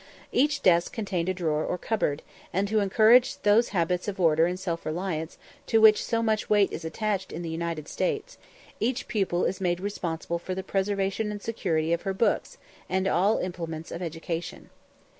Each desk contained a drawer or cupboard; and to encourage those habits of order and self reliance to which so much weight is attached in the States, each pupil is made responsible for the preservation and security of her books and all implements of education.